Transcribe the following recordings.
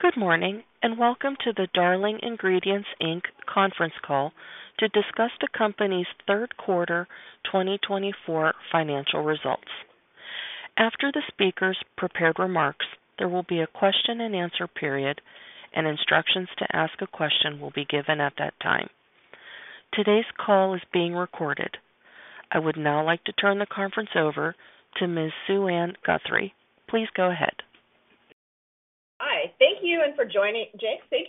Good morning, and welcome to the Darling Ingredients, Inc. Conference Call to discuss the company's third quarter 2024 financial results. After the speaker's prepared remarks, there will be a question-and-answer period, and instructions to ask a question will be given at that time. Today's call is being recorded. I would now like to turn the conference over to Ms. Suann Guthrie. Please go ahead. Hi. Thank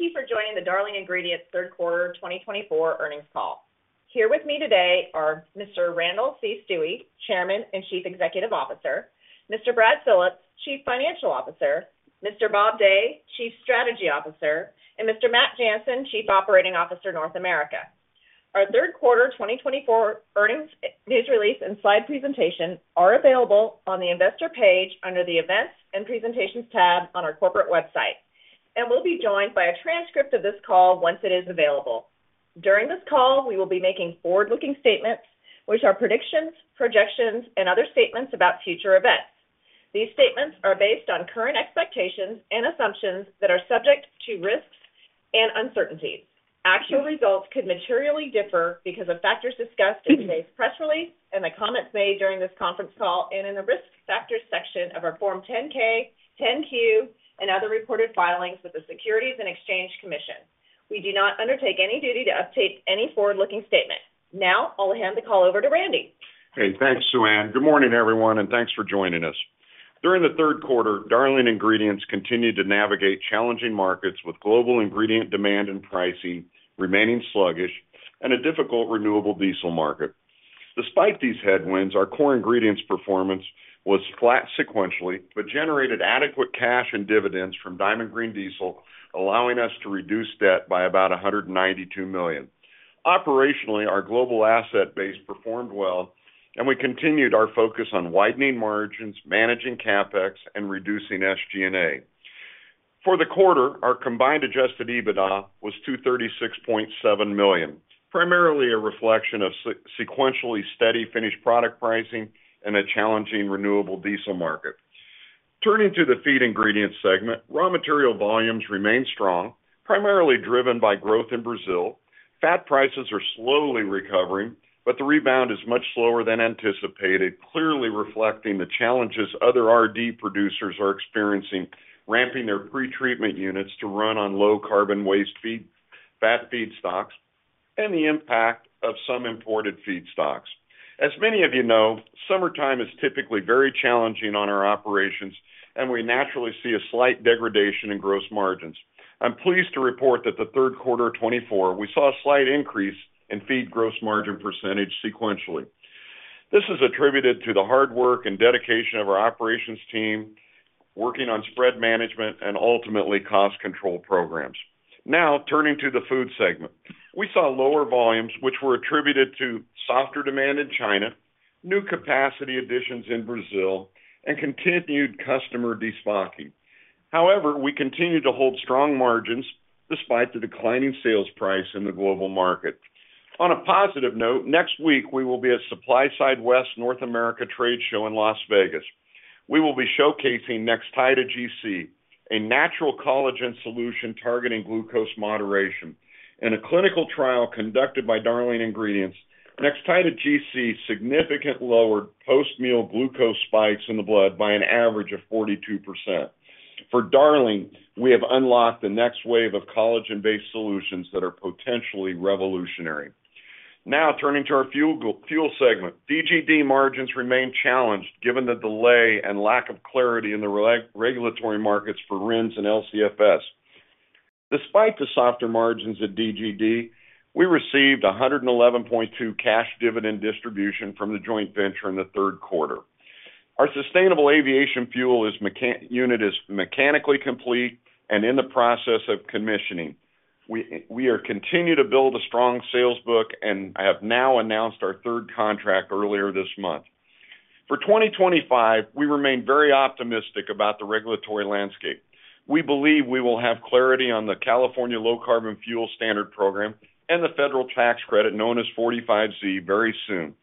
you for joining the Darling Ingredients Third Quarter 2024 Earnings Call. Here with me today are Mr. Randall C. Stuewe, Chairman and Chief Executive Officer, Mr. Brad Phillips, Chief Financial Officer, Mr. Bob Day, Chief Strategy Officer, and Mr. Matt Jansen, Chief Operating Officer, North America. Our third quarter 2024 earnings news release and slide presentation are available on the investor page under the Events and Presentations tab on our corporate website, and we'll be joined by a transcript of this call once it is available. During this call, we will be making forward-looking statements, which are predictions, projections, and other statements about future events. These statements are based on current expectations and assumptions that are subject to risks and uncertainties. Actual results could materially differ because of factors discussed in today's press release and the comments made during this conference call, and in the Risk Factors section of our Form 10-K, 10-Q, and other reported filings with the Securities and Exchange Commission. We do not undertake any duty to update any forward-looking statement. Now, I'll hand the call over to Randy. Hey, thanks, Suann. Good morning, everyone, and thanks for joining us. During the third quarter, Darling Ingredients continued to navigate challenging markets with global ingredient demand and pricing remaining sluggish and a difficult renewable diesel market. Despite these headwinds, our core ingredients performance was flat sequentially, but generated adequate cash and dividends from Diamond Green Diesel, allowing us to reduce debt by about $192 million. Operationally, our global asset base performed well, and we continued our focus on widening margins, managing CapEx, and reducing SG&A. For the quarter, our combined adjusted EBITDA was $236.7 million, primarily a reflection of sequentially steady finished product pricing and a challenging renewable diesel market. Turning to the feed ingredient segment, raw material volumes remain strong, primarily driven by growth in Brazil. Fat prices are slowly recovering, but the rebound is much slower than anticipated, clearly reflecting the challenges other RD producers are experiencing, ramping their pretreatment units to run on low-carbon waste feed, fat feedstocks, and the impact of some imported feedstocks. As many of you know, summertime is typically very challenging on our operations, and we naturally see a slight degradation in gross margins. I'm pleased to report that the third quarter of 2024, we saw a slight increase in feed gross margin percentage sequentially. This is attributed to the hard work and dedication of our operations team, working on spread management and ultimately cost control programs. Now, turning to the food segment. We saw lower volumes, which were attributed to softer demand in China, new capacity additions in Brazil, and continued customer destocking. However, we continued to hold strong margins despite the declining sales price in the global market. On a positive note, next week, we will be at SupplySide West North America Trade Show in Las Vegas. We will be showcasing Nextida GC, a natural collagen solution targeting glucose moderation. In a clinical trial conducted by Darling Ingredients, Nextida GC significantly lowered post-meal glucose spikes in the blood by an average of 42%. For Darling, we have unlocked the next wave of collagen-based solutions that are potentially revolutionary. Now, turning to our fuel segment. DGD margins remain challenged given the delay and lack of clarity in the regulatory markets for RINs and LCFS. Despite the softer margins at DGD, we received a $111.2 cash dividend distribution from the joint venture in the third quarter. Our sustainable aviation fuel unit is mechanically complete and in the process of commissioning. We are continuing to build a strong sales book and have now announced our third contract earlier this month. For 2025, we remain very optimistic about the regulatory landscape. We believe we will have clarity on the California Low Carbon Fuel Standard program and the federal tax credit known as 45Z very soon,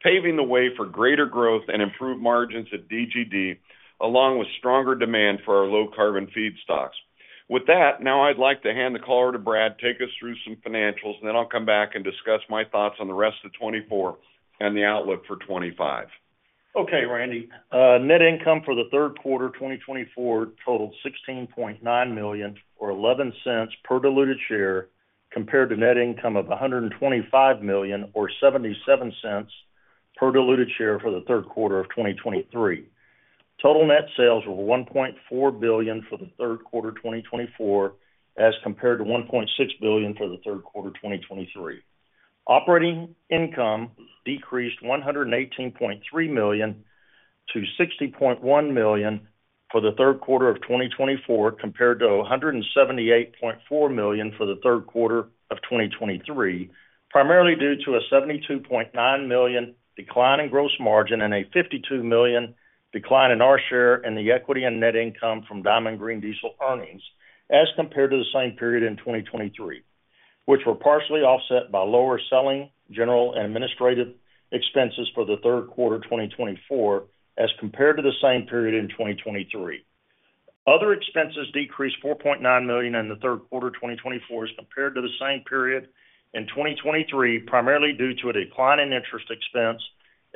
paving the way for greater growth and improved margins at DGD, along with stronger demand for our low-carbon feedstocks. With that, now I'd like to hand the call over to Brad to take us through some financials, and then I'll come back and discuss my thoughts on the rest of twenty-four and the outlook for 25. Okay, Randy. Net income for the third quarter, 2024 totaled $16.9 million, or $0.11 per diluted share, compared to net income of $125 million or $0.77 per diluted share for the third quarter of 2023. Total net sales were $1.4 billion for the third quarter, 2024, as compared to $1.6 billion for the third quarter of 2023. Operating income decreased $118.3 million to $60.1 million for the third quarter of 2024, compared to $178.4 million for the third quarter of 2023, primarily due to a $72.9 million decline in gross margin and a $52 million decline in our share in the equity and net income from Diamond Green Diesel earnings as compared to the same period in 2023. which were partially offset by lower selling, general and administrative expenses for the third quarter 2024 as compared to the same period in 2023. Other expenses decreased $4.9 million in the third quarter 2024 as compared to the same period in 2023, primarily due to a decline in interest expense,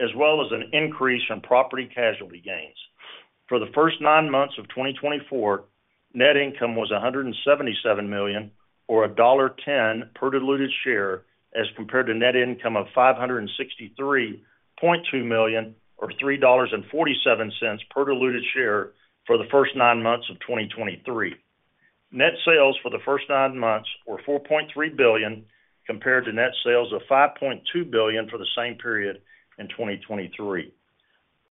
as well as an increase in property casualty gains. For the first nine months of 2024, net income was $177 million, or $1.10 per diluted share, as compared to net income of $563.2 million, or $3.47 per diluted share for the first nine months of 2023. Net sales for the first nine months were $4.3 billion, compared to net sales of $5.2 billion for the same period in 2023.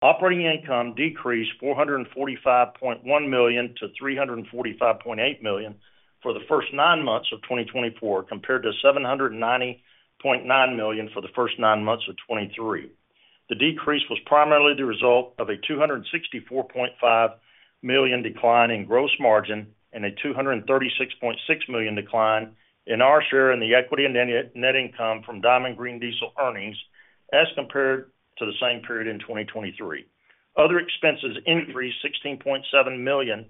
Operating income decreased $445.1 million-$345.8 million for the first nine months of 2024, compared to $790.9 million for the first nine months of 2023. The decrease was primarily the result of a $264.5 million decline in gross margin and a $236.6 million decline in our share in the equity and net income from Diamond Green Diesel earnings as compared to the same period in 2023. Other expenses increased $16.7 million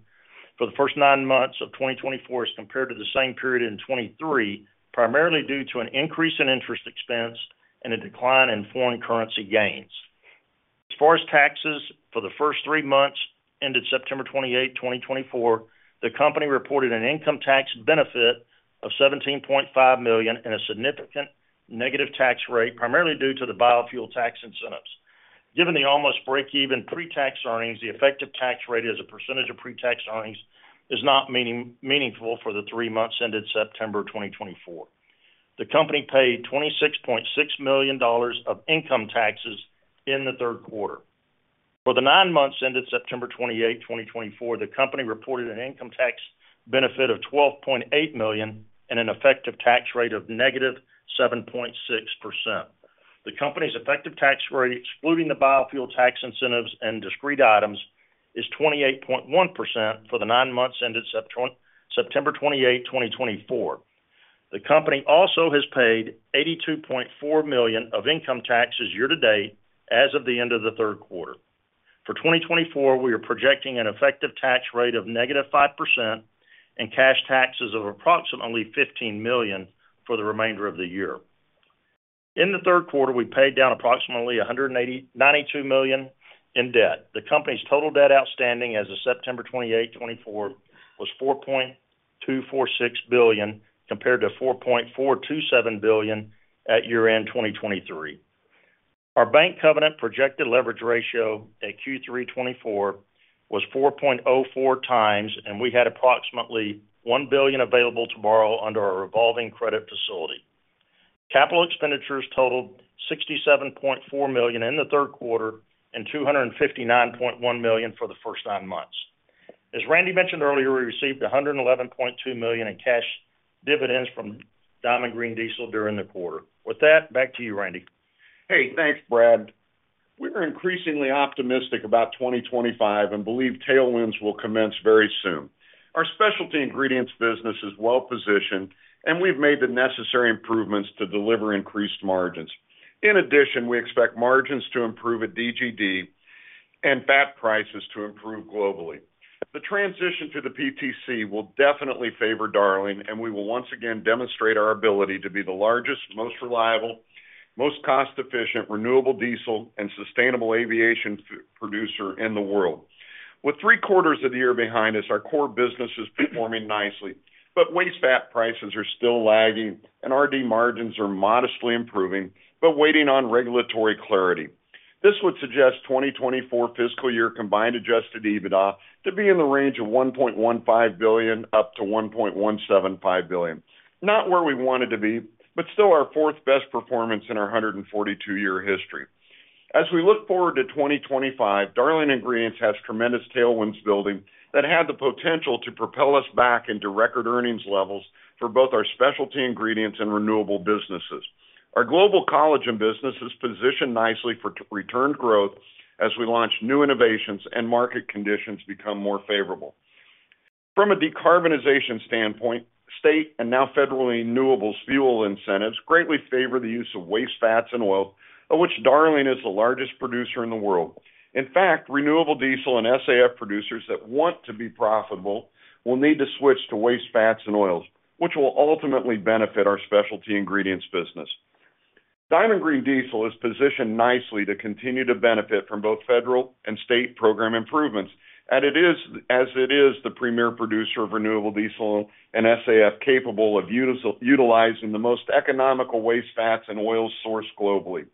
for the first nine months of 2024 as compared to the same period in 2023, primarily due to an increase in interest expense and a decline in foreign currency gains. As far as taxes, for the first three months ended September 28, 2024, the company reported an income tax benefit of $17.5 million and a significant negative tax rate, primarily due to the biofuel tax incentives. Given the almost break-even pre-tax earnings, the effective tax rate as a percentage of pre-tax earnings is not meaningful for the three months ended September 2024. The company paid $26.6 million of income taxes in the third quarter. For the nine months ended September 28, 2024, the company reported an income tax benefit of $12.8 million and an effective tax rate of -7.6%. The company's effective tax rate, excluding the biofuel tax incentives and discrete items, is 28.1% for the nine months ended September 28, 2024. The company also has paid $82.4 million of income taxes year to date as of the end of the third quarter. For 2024, we are projecting an effective tax rate of -5% and cash taxes of approximately $15 million for the remainder of the year. In the third quarter, we paid down approximately ninety-two million in debt. The company's total debt outstanding as of September 28, 2024, was $4.246 billion, compared to $4.427 billion at year-end 2023. Our bank covenant projected leverage ratio at Q3 2024 was 4.04 times, and we had approximately $1 billion available to borrow under our revolving credit facility. Capital expenditures totaled $67.4 million in the third quarter and $259.1 million for the first nine months. As Randy mentioned earlier, we received $111.2 million in cash dividends from Diamond Green Diesel during the quarter. With that, back to you, Randy. Hey, thanks, Brad. We are increasingly optimistic about 2025 and believe tailwinds will commence very soon. Our specialty ingredients business is well positioned, and we've made the necessary improvements to deliver increased margins. In addition, we expect margins to improve at DGD and fat prices to improve globally. The transition to the PTC will definitely favor Darling, and we will once again demonstrate our ability to be the largest, most reliable, most cost-efficient, renewable diesel and sustainable aviation fuel producer in the world. With three quarters of the year behind us, our core business is performing nicely, but waste fat prices are still lagging and RD margins are modestly improving, but waiting on regulatory clarity. This would suggest 2024 fiscal year combined Adjusted EBITDA to be in the range of $1.15 billion-$1.175 billion. Not where we wanted to be, but still our fourth best performance in our hundred and forty-two-year history. As we look forward to 2025, Darling Ingredients has tremendous tailwinds building that have the potential to propel us back into record earnings levels for both our specialty ingredients and renewable businesses. Our global collagen business is positioned nicely for return growth as we launch new innovations and market conditions become more favorable. From a decarbonization standpoint, state and now federal renewable fuel incentives greatly favor the use of waste fats and oils, of which Darling is the largest producer in the world. In fact, renewable diesel and SAF producers that want to be profitable will need to switch to waste fats and oils, which will ultimately benefit our specialty ingredients business. Diamond Green Diesel is positioned nicely to continue to benefit from both federal and state program improvements, and it is the premier producer of renewable diesel and SAF, capable of utilizing the most economical waste fats and oils sourced globally.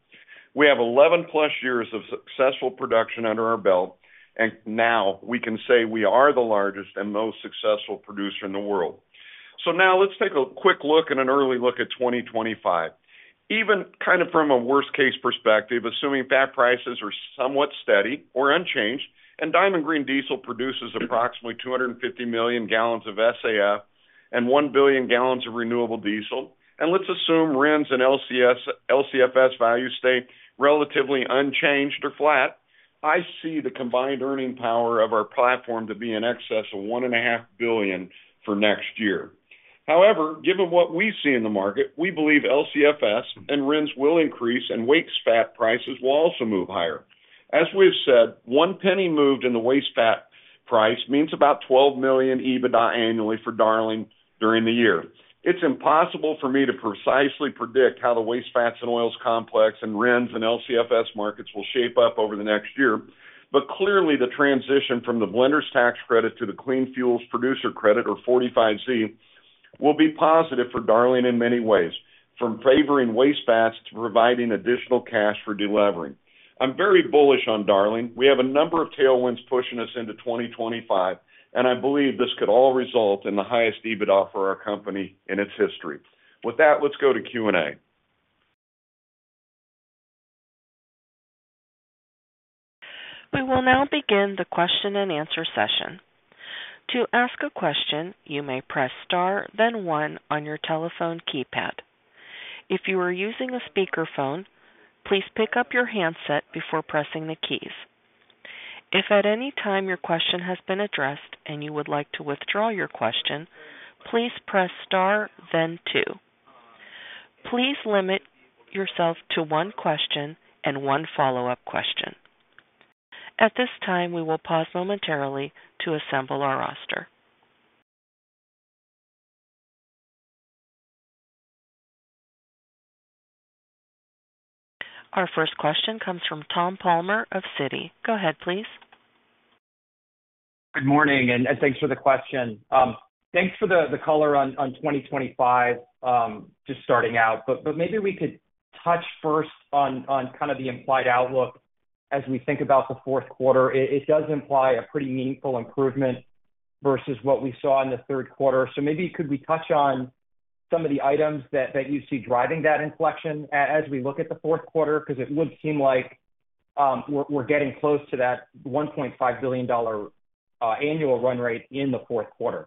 We have eleven plus years of successful production under our belt, and now we can say we are the largest and most successful producer in the world. So now let's take a quick look and an early look at 2025. Even kind of from a worst-case perspective, assuming fat prices are somewhat steady or unchanged, and Diamond Green Diesel produces approximately two hundred and fifty million gallons of SAF and one billion gallons of renewable diesel, and let's assume RINs and LCFS. LCFS values stay relatively unchanged or flat. I see the combined earning power of our platform to be in excess of $1.5 billion for next year. However, given what we see in the market, we believe LCFS and RINs will increase and waste fat prices will also move higher. As we've said, one penny moved in the waste fat price means about $12 million EBITDA annually for Darling during the year. It's impossible for me to precisely predict how the waste fats and oils complex and RINs and LCFS markets will shape up over the next year, but clearly, the transition from the blenders tax credit to the clean fuels producer credit, or 45Z, will be positive for Darling in many ways, from favoring waste fats to providing additional cash for deleveraging. I'm very bullish on Darling. We have a number of tailwinds pushing us into 2025, and I believe this could all result in the highest EBITDA for our company in its history. With that, let's go to Q&A. We will now begin the question-and-answer session. To ask a question, you may press Star, then One on your telephone keypad. If you are using a speakerphone, please pick up your handset before pressing the keys. If at any time your question has been addressed and you would like to withdraw your question, please press star then two. Please limit yourself to one question and one follow-up question. At this time, we will pause momentarily to assemble our roster. Our first question comes from Tom Palmer of Citi. Go ahead, please. Good morning, and thanks for the question. Thanks for the color on 2025, just starting out, but maybe we could touch first on kind of the implied outlook as we think about the fourth quarter. It does imply a pretty meaningful improvement versus what we saw in the third quarter. So maybe could we touch on some of the items that you see driving that inflection as we look at the fourth quarter? Because it would seem like we're getting close to that $1.5 billion annual run rate in the fourth quarter,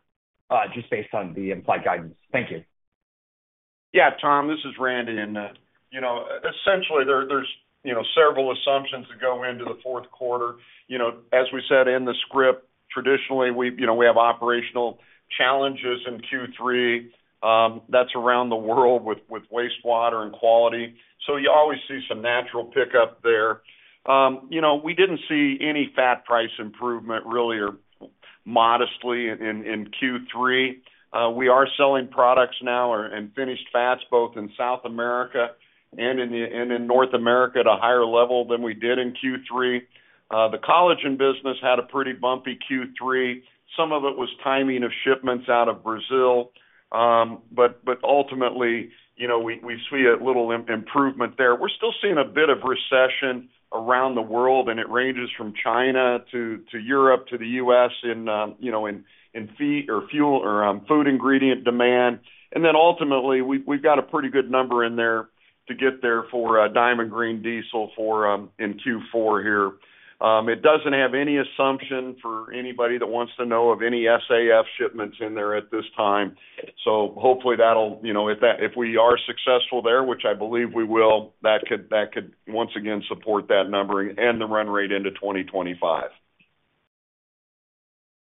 just based on the implied guidance. Thank you. Yeah, Tom, this is Randy, and, you know, essentially there, there's, you know, several assumptions that go into the fourth quarter. You know, as we said in the script, traditionally, we, you know, we have operational challenges in Q3, that's around the world with wastewater and quality. So you always see some natural pickup there. You know, we didn't see any fat price improvement, really, or modestly in Q3. We are selling products now and finished fats, both in South America and in North America, at a higher level than we did in Q3. The collagen business had a pretty bumpy Q3. Some of it was timing of shipments out of Brazil, but ultimately, you know, we see a little improvement there. We're still seeing a bit of recession around the world, and it ranges from China to Europe to the U.S., in you know in feed or fuel or food ingredient demand. And then ultimately, we've got a pretty good number in there to get there for Diamond Green Diesel in Q4 here. It doesn't have any assumption for anybody that wants to know of any SAF shipments in there at this time. So hopefully that'll you know if we are successful there, which I believe we will, that could once again support that numbering and the run rate into 2025.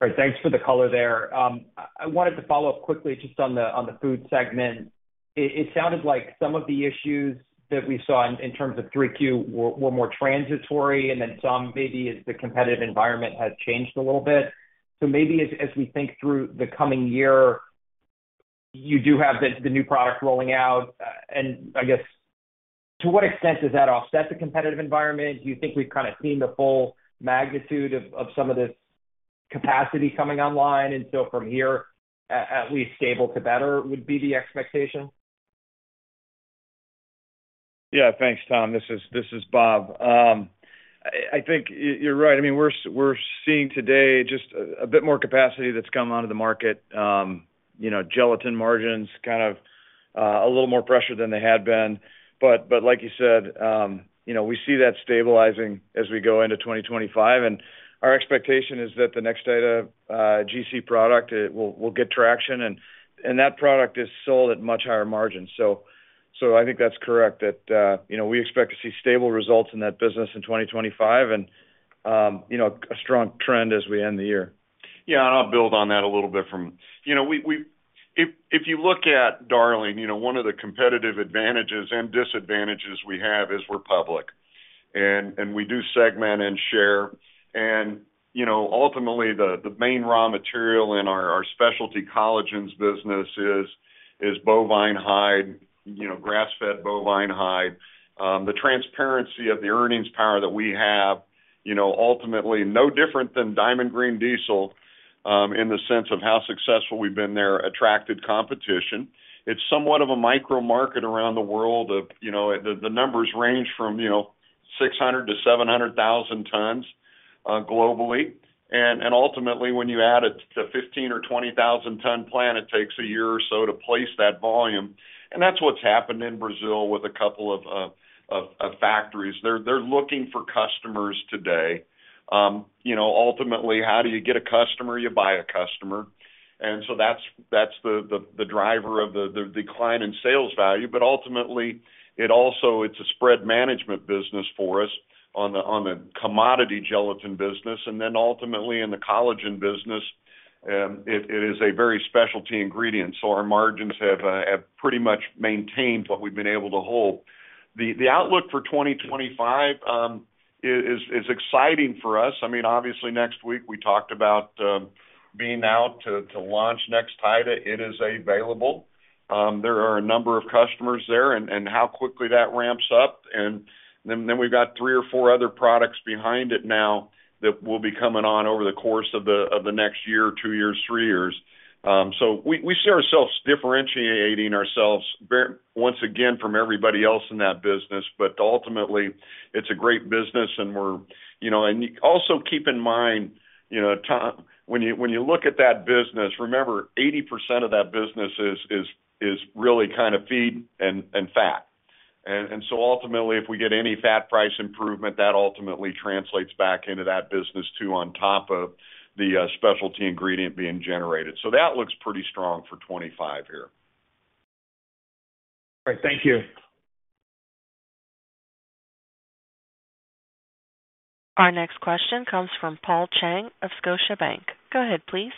Great. Thanks for the color there. I wanted to follow up quickly just on the food segment. It sounded like some of the issues that we saw in terms of 3Q were more transitory, and then some maybe as the competitive environment has changed a little bit. So maybe as we think through the coming year, you do have the new product rolling out, and I guess, to what extent does that offset the competitive environment? Do you think we've kind of seen the full magnitude of some of this capacity coming online, and so from here, at least stable to better would be the expectation? Yeah. Thanks, Tom. This is Bob. I think you're right. I mean, we're seeing today just a bit more capacity that's come onto the market. You know, gelatin margins kind of a little more pressure than they had been. But like you said, you know, we see that stabilizing as we go into 2025, and our expectation is that the Nextida GC product will get traction, and that product is sold at much higher margins. So I think that's correct, that you know, we expect to see stable results in that business in 2025 and you know, a strong trend as we end the year. Yeah, and I'll build on that a little bit. You know, if you look at Darling, you know, one of the competitive advantages and disadvantages we have is we're public, and we do segment and share. And, you know, ultimately, the main raw material in our specialty collagens business is bovine hide, you know, grass-fed bovine hide. The transparency of the earnings power that we have, you know, ultimately no different than Diamond Green Diesel, in the sense of how successful we've been there, attracted competition. It's somewhat of a micro market around the world of, you know, the numbers range from, you know, 600-700 thousand tons, globally. Ultimately, when you add it to a 15 or 20 thousand ton plant, it takes a year or so to place that volume, and that's what's happened in Brazil with a couple of. They're looking for customers today. You know, ultimately, how do you get a customer? You buy a customer, and so that's the driver of the decline in sales value. But ultimately, it also, it's a spread management business for us on the commodity gelatin business, and then ultimately in the collagen business, it is a very specialty ingredient, so our margins have pretty much maintained what we've been able to hold. The outlook for 2025 is exciting for us. I mean, obviously, next week, we talked about being out to launch Nextida. It is available. There are a number of customers there and how quickly that ramps up, and then we've got three or four other products behind it now that will be coming on over the course of the next year, two years, three years. So we see ourselves differentiating ourselves very once again from everybody else in that business, but ultimately it's a great business and we're. You know, and also keep in mind, you know, Tom, when you look at that business, remember 80% of that business is really kind of feed and fat. And so ultimately, if we get any fat price improvement, that ultimately translates back into that business too, on top of the specialty ingredient being generated. So that looks pretty strong for 2025 here. Great. Thank you. Our next question comes from Paul Cheng of Scotiabank. Go ahead, please.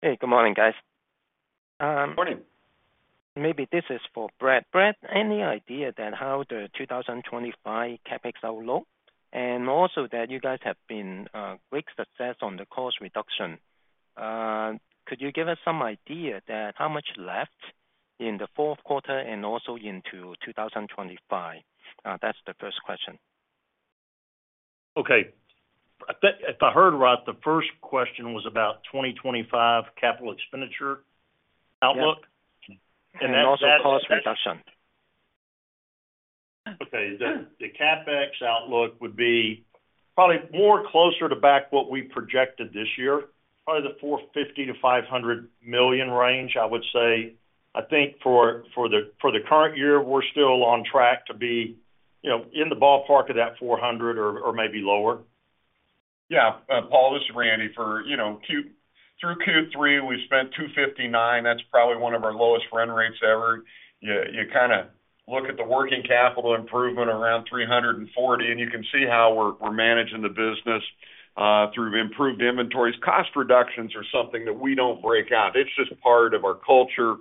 Hey, good morning, guys. Morning. Maybe this is for Brad. Brad, any idea then how the 2025 CapEx outlook, and also that you guys have been great success on the cost reduction. Could you give us some idea that how much left in the fourth quarter and also into 2025? That's the first question. Okay. If I heard right, the first question was about 2025 capital expenditure outlook? Yep. And then that- Also cost reduction. Okay. The CapEx outlook would be probably more closer to back what we projected this year, probably the $450-$500 million range, I would say. I think for the current year, we're still on track to be, you know, in the ballpark of that 400 or maybe lower. Yeah. Paul, this is Randy. For, you know, Q1 through Q3, we spent $259. That's probably one of our lowest run rates ever. You kinda look at the working capital improvement around $340, and you can see how we're managing the business through improved inventories. Cost reductions are something that we don't break out. It's just part of our culture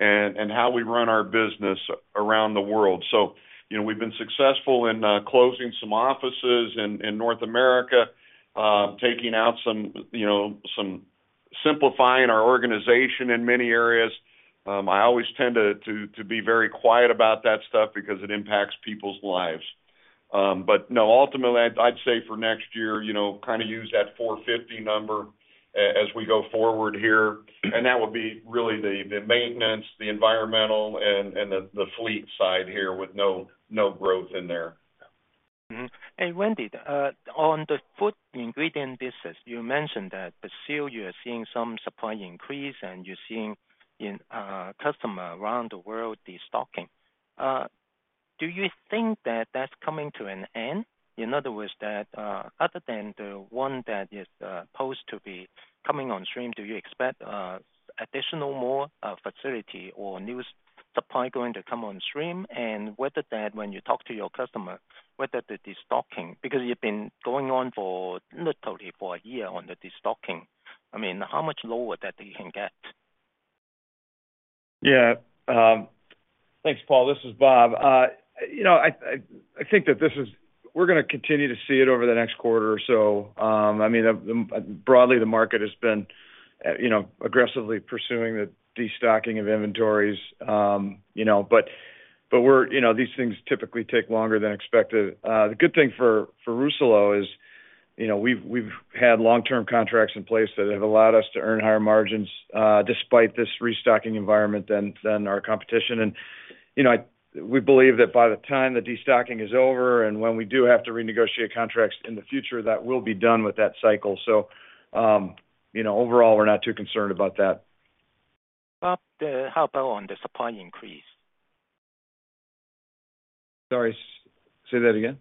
and how we run our business around the world. So, you know, we've been successful in closing some offices in North America, taking out some, you know, some simplifying our organization in many areas. I always tend to be very quiet about that stuff because it impacts people's lives. But no, ultimately, I'd say for next year, you know, kind of use that $450 number as we go forward here, and that would be really the maintenance, the environmental, and the fleet side here with no growth in there. Mm-hmm. And Randy, on the food ingredient business, you mentioned that Brazil, you are seeing some supply increase, and you're seeing in customer around the world, destocking. Do you think that that's coming to an end? In other words, other than the one that is supposed to be coming on stream, do you expect additional more facility or new supply going to come on stream? And whether that, when you talk to your customer, whether the destocking, because you've been going on for literally for a year on the destocking, I mean, how much lower that you can get? Yeah. Thanks, Paul. This is Bob. You know, I think that this is - we're gonna continue to see it over the next quarter or so. I mean, broadly, the market has been, you know, aggressively pursuing the destocking of inventories. You know, but we're - You know, these things typically take longer than expected. The good thing for Rousselot is, you know, we've had long-term contracts in place that have allowed us to earn higher margins, despite this destocking environment than our competition. And, you know, we believe that by the time the destocking is over and when we do have to renegotiate contracts in the future, that we'll be done with that cycle. So, you know, overall, we're not too concerned about that. Bob, how about on the supply increase? Sorry, say that again?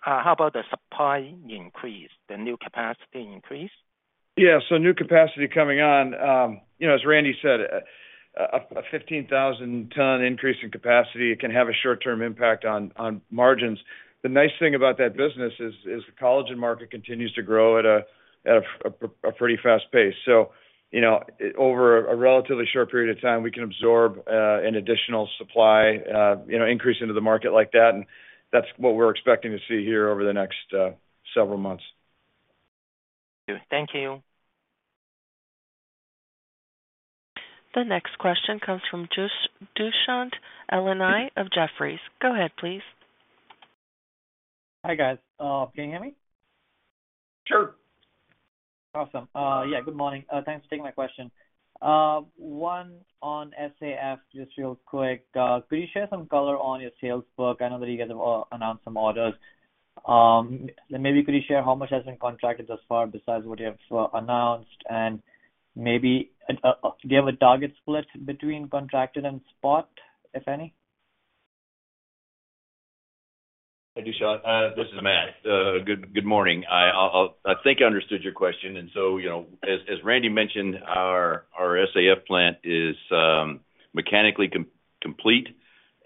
How about the supply increase, the new capacity increase? Yeah, so new capacity coming on. You know, as Randy said, a 15,000-ton increase in capacity can have a short-term impact on margins. The nice thing about that business is the collagen market continues to grow at a pretty fast pace. So, you know, over a relatively short period of time, we can absorb an additional supply, you know, increase into the market like that, and that's what we're expecting to see here over the next several months. Thank you. The next question comes from Dushyant Ailani of Jefferies. Go ahead, please. Hi, guys. Can you hear me? Sure. Awesome. Yeah, good morning. Thanks for taking my question. One on SAF, just real quick. Could you share some color on your sales book? I know that you guys have announced some orders. And maybe could you share how much has been contracted thus far besides what you have announced? And maybe do you have a target split between contracted and spot, if any? Hey, Dushyant, this is Matt. Good morning. I think I understood your question, and so, you know, as Randy mentioned, our SAF plant is mechanically complete,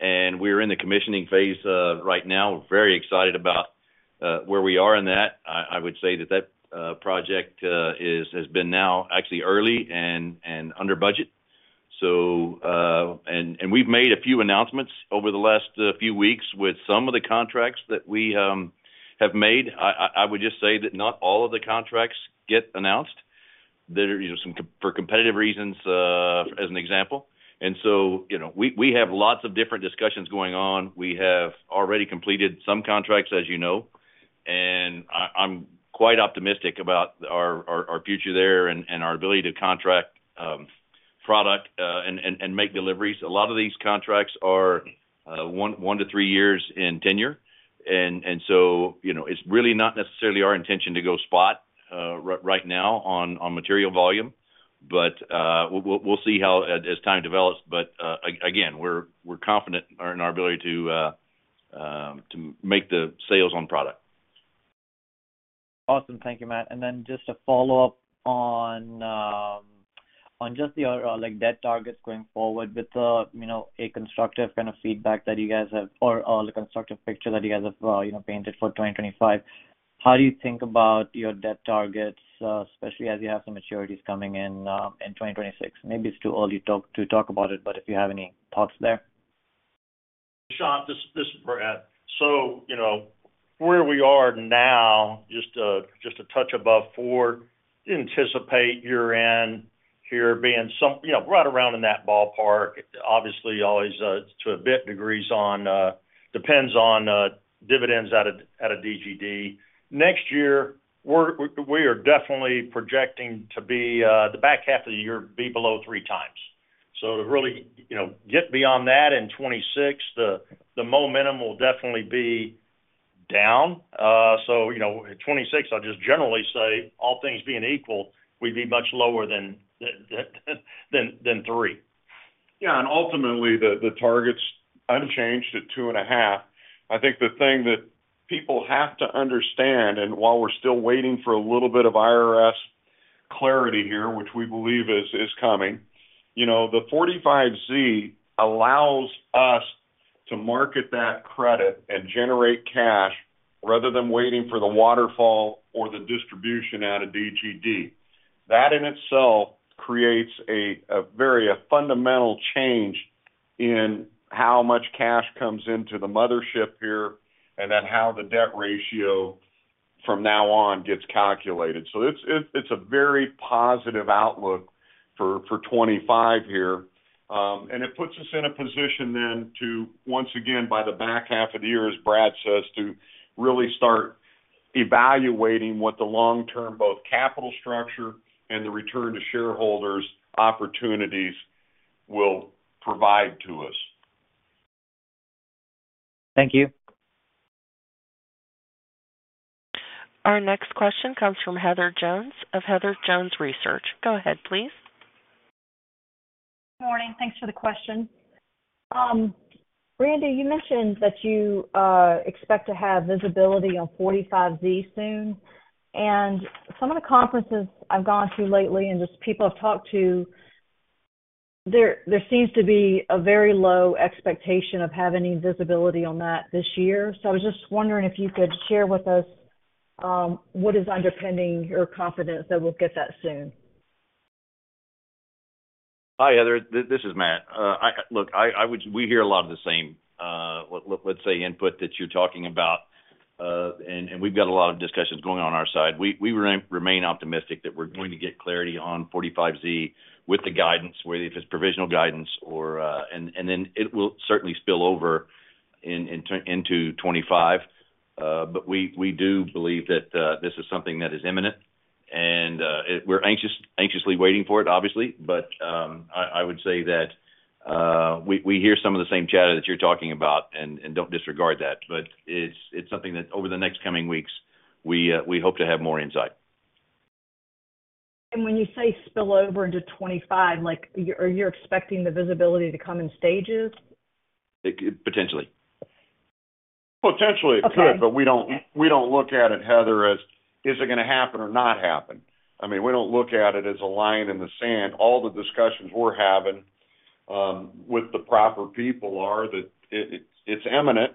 and we're in the commissioning phase right now. Very excited about where we are in that. I would say that project has now actually been early and under budget. We've made a few announcements over the last few weeks with some of the contracts that we have made. I would just say that not all of the contracts get announced. There are, you know, some for competitive reasons, as an example. You know, we have lots of different discussions going on. We have already completed some contracts, as you know, and I, I'm quite optimistic about our future there and our ability to contract product and make deliveries. A lot of these contracts are one to three years in tenure, and so, you know, it's really not necessarily our intention to go spot right now on material volume. But we'll see how as time develops. But again, we're confident in our ability to make the sales on product. Awesome. Thank you, Matt. And then just a follow-up on just your like debt targets going forward with the, you know, a constructive kind of feedback that you guys have or the constructive picture that you guys have, you know, painted for 2025. How do you think about your debt targets, especially as you have some maturities coming in in 2026? Maybe it's too early to talk about it, but if you have any thoughts there. Dushyant, this is Brad. So, you know, where we are now, just a touch above four, anticipate year-end here being some. You know, right around in that ballpark. Obviously, always to a degree on depends on dividends out of DGD. Next year, we are definitely projecting to be the back half of the year be below three times. So to really, you know, get beyond that in 2026, the momentum will definitely be down. So, you know, in 2026, I'll just generally say, all things being equal, we'd be much lower than three. Yeah, and ultimately, the target's unchanged at two and a half. I think the thing that people have to understand, and while we're still waiting for a little bit of IRS clarity here, which we believe is coming, you know, the 45Z allows us to market that credit and generate cash rather than waiting for the waterfall or the distribution out of DGD. That in itself creates a very fundamental change in how much cash comes into the mothership here, and then how the debt ratio from now on gets calculated. So it's a very positive outlook for 2025 here, and it puts us in a position then to, once again, by the back half of the year, as Brad says, to really start evaluating what the long-term both capital structure and the return to shareholders opportunities will provide to us. Thank you. Our next question comes from Heather Jones of Heather Jones Research. Go ahead, please. Morning. Thanks for the question. Randy, you mentioned that you expect to have visibility on 45Z soon. And some of the conferences I've gone to lately and just people I've talked to, there seems to be a very low expectation of having any visibility on that this year. So I was just wondering if you could share with us what is underpinning your confidence that we'll get that soon? Hi, Heather. This is Matt. Look, we hear a lot of the same, let's say, input that you're talking about. We've got a lot of discussions going on on our side. We remain optimistic that we're going to get clarity on 45Z with the guidance, whether it's provisional guidance or. Then it will certainly spill over into 2025. But we do believe that this is something that is imminent, and we're anxiously waiting for it, obviously. I would say that we hear some of the same chatter that you're talking about, and don't disregard that. But it's something that over the next coming weeks, we hope to have more insight. When you say spill over into 2025, like, are you expecting the visibility to come in stages? It could, potentially. Potentially, it could. Okay. But we don't, we don't look at it, Heather, as is it gonna happen or not happen? I mean, we don't look at it as a line in the sand. All the discussions we're having with the proper people are that it, it's imminent.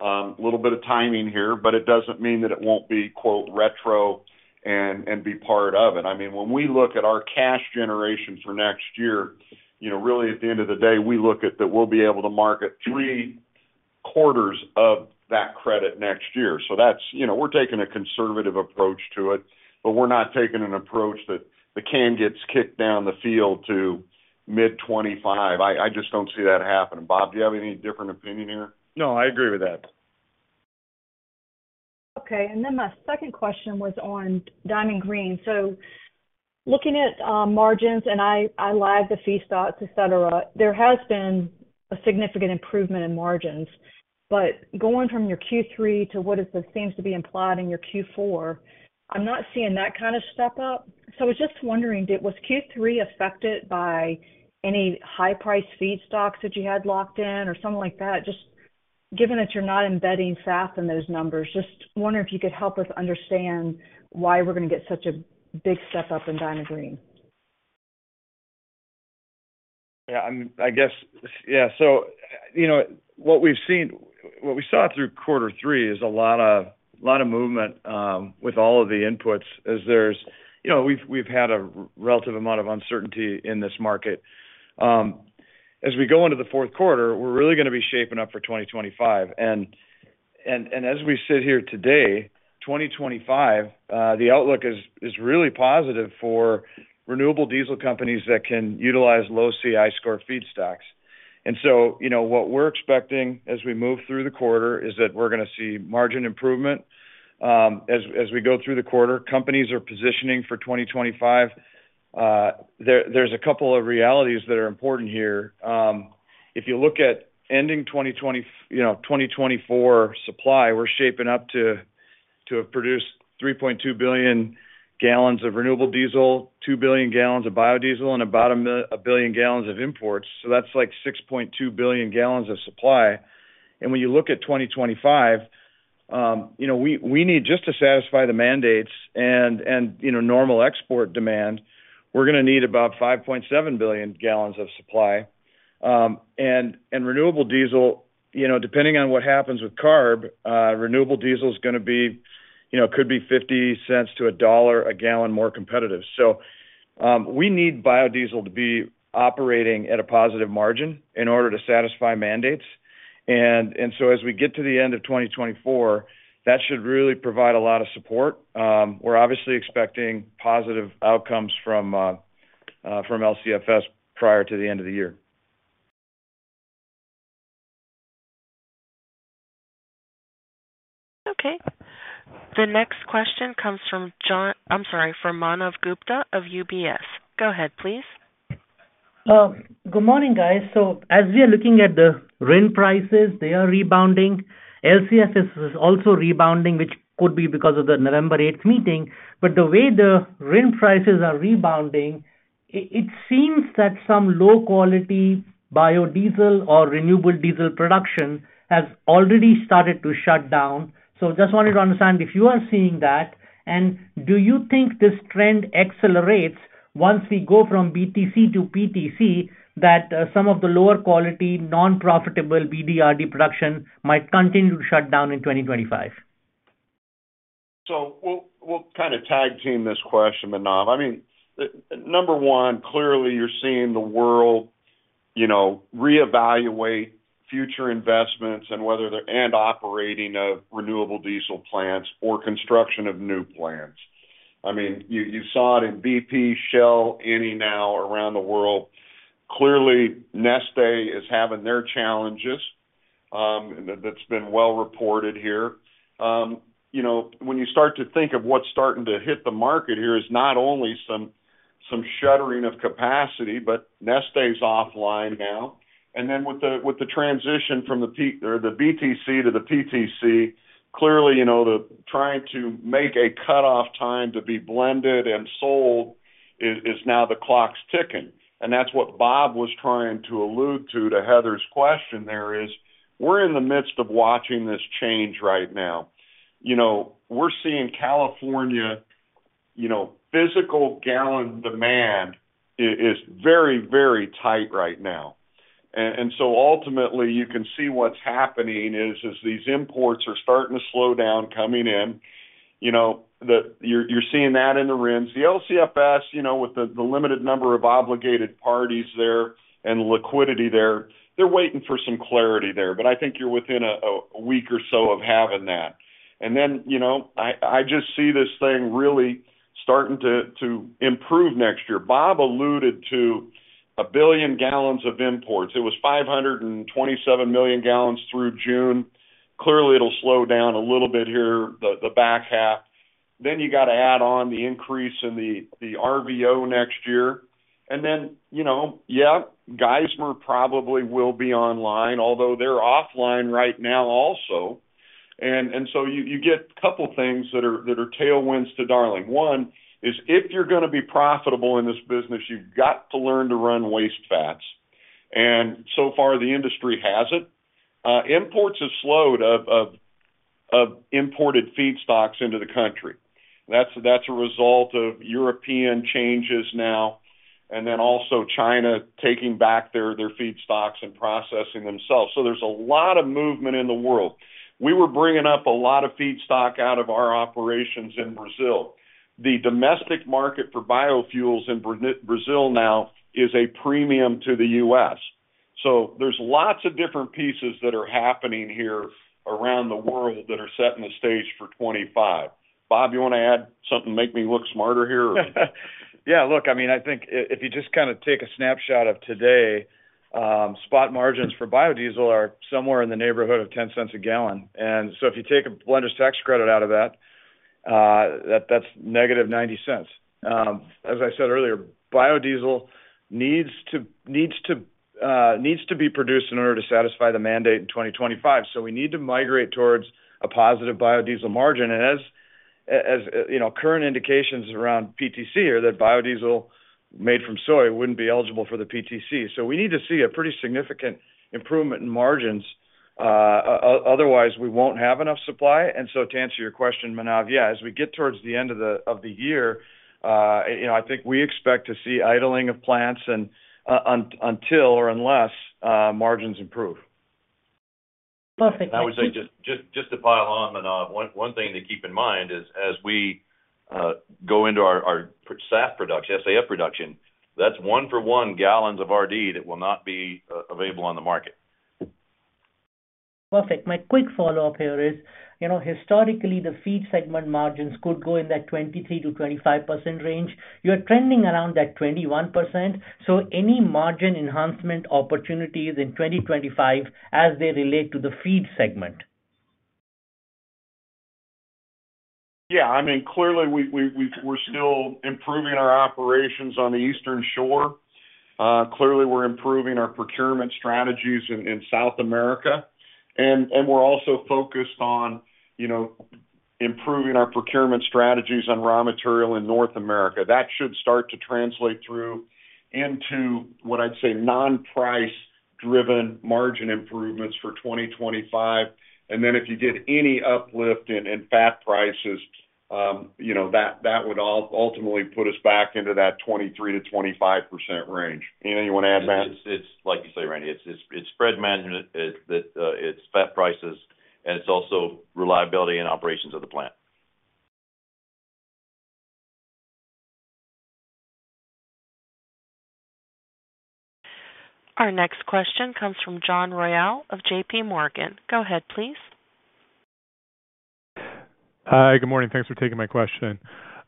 A little bit of timing here, but it doesn't mean that it won't be, quote, "retro" and be part of it. I mean, when we look at our cash generation for next year, you know, really, at the end of the day, we look at that we'll be able to market three quarters of that credit next year. So that's... You know, we're taking a conservative approach to it, but we're not taking an approach that the can gets kicked down the field to mid-twenty-five. I just don't see that happening. Bob, do you have any different opinion here? No, I agree with that. Okay. And then my second question was on Diamond Green. So, looking at margins, and I look at the feedstocks, et cetera, there has been a significant improvement in margins. But going from your Q3 to what seems to be implied in your Q4, I'm not seeing that kind of step up. So I was just wondering, was Q3 affected by any high-price feedstocks that you had locked in or something like that? Just given that you're not embedding SAF in those numbers, just wondering if you could help us understand why we're gonna get such a big step up in Diamond Green. Yeah, I guess, yeah, so, you know, what we saw through quarter three is a lot of movement with all of the inputs as there's. You know, we've had a relative amount of uncertainty in this market. As we go into the fourth quarter, we're really gonna be shaping up for 2025. And as we sit here today, 2025, the outlook is really positive for renewable diesel companies that can utilize low CI score feedstocks. And so, you know, what we're expecting as we move through the quarter is that we're gonna see margin improvement. As we go through the quarter, companies are positioning for 2025. There's a couple of realities that are important here. If you look at ending 2024 supply, you know, we're shaping up to have produced 3.2 billion gallons of renewable diesel, 2 billion gallons of biodiesel, and about 1 billion gallons of imports. So that's like 6.2 billion gallons of supply. When you look at 2025, you know, we need just to satisfy the mandates and, you know, normal export demand, we're gonna need about 5.7 billion gallons of supply. And renewable diesel, you know, depending on what happens with CARB, renewable diesel is gonna be, you know, could be $0.50-$1 a gallon more competitive. So we need biodiesel to be operating at a positive margin in order to satisfy mandates. So as we get to the end of 2024, that should really provide a lot of support. We're obviously expecting positive outcomes from LCFS prior to the end of the year. Okay. The next question comes from John... I'm sorry, from Manav Gupta of UBS. Go ahead, please. Good morning, guys. So as we are looking at the RIN prices, they are rebounding. LCFS is also rebounding, which could be because of the November eighth meeting. But the way the RIN prices are rebounding, it seems that some low-quality biodiesel or renewable diesel production has already started to shut down. So just wanted to understand if you are seeing that, and do you think this trend accelerates once we go from BTC to PTC, that some of the lower quality, non-profitable BDRD production might continue to shut down in 2025? We'll kind of tag team this question, Manav. I mean, number one, clearly, you're seeing the world, you know, reevaluate future investments and whether they're operating of renewable diesel plants or construction of new plants. I mean, you saw it in BP, Shell, Eni now around the world. Clearly, Neste is having their challenges, and that's been well reported here. You know, when you start to think of what's starting to hit the market here is not only some shuttering of capacity, but Neste's offline now. And then with the transition from the BTC to the PTC, clearly, you know, they're trying to make a cutoff time to be blended and sold is now the clock's ticking. And that's what Bob was trying to allude to, to Heather's question there, is we're in the midst of watching this change right now. You know, we're seeing California, you know, physical gallon demand is very, very tight right now. And so ultimately, you can see what's happening is, as these imports are starting to slow down coming in, you know, you're seeing that in the RINs. The LCFS, you know, with the limited number of obligated parties there and liquidity there, they're waiting for some clarity there. But I think you're within a week or so of having that. And then, you know, I just see this thing really starting to improve next year. Bob alluded to a billion gallons of imports. It was 527 million gallons through June. Clearly, it'll slow down a little bit here, the back half. Then you got to add on the increase in the RVO next year. And then, you know, yeah, Geismar probably will be online, although they're offline right now also. And so you get a couple things that are tailwinds to Darling. One is if you're gonna be profitable in this business, you've got to learn to run waste fats, and so far, the industry hasn't. Imports have slowed of imported feedstocks into the country. That's a result of European changes now, and then also China taking back their feedstocks and processing themselves. So there's a lot of movement in the world. We were bringing up a lot of feedstock out of our operations in Brazil. The domestic market for biofuels in Brazil now is a premium to the U.S. So there's lots of different pieces that are happening here around the world that are setting the stage for 2025. Bob, you wanna add something to make me look smarter here or? Yeah, look, I mean, I think if you just kind of take a snapshot of today, spot margins for biodiesel are somewhere in the neighborhood of $0.10 a gallon, and so if you take a blenders tax credit out of that, that's negative $0.90. As I said earlier, biodiesel needs to be produced in order to satisfy the mandate in 2025, so we need to migrate towards a positive biodiesel margin, and as you know, current indications around PTC are that biodiesel made from soy wouldn't be eligible for the PTC, so we need to see a pretty significant improvement in margins, otherwise, we won't have enough supply. And so to answer your question, Manav, yeah, as we get towards the end of the year, you know, I think we expect to see idling of plants and until or unless margins improve. Perfect. I would say, just to pile on, Manav, one thing to keep in mind is, as we go into our SAF production, that's one for one gallons of RD that will not be available on the market. Perfect. My quick follow-up here is, you know, historically, the feed segment margins could go in that 23%-25% range. You're trending around that 21%, so any margin enhancement opportunities in 2025 as they relate to the feed segment? Yeah, I mean, clearly, we're still improving our operations on the Eastern Shore. Clearly, we're improving our procurement strategies in South America. And we're also focused on, you know, improving our procurement strategies on raw material in North America. That should start to translate through into, what I'd say, non-price driven margin improvements for 2025. And then if you get any uplift in fat prices, you know, that would ultimately put us back into that 23%-25% range. Ian, you want to add to that? It's like you say, Randy, it's spread management, it's fat prices, and it's also reliability and operations of the plant. Our next question comes from John Royall of JPMorgan. Go ahead, please. Hi, good morning. Thanks for taking my question.